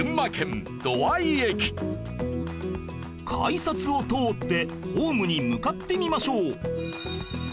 改札を通ってホームに向かってみましょう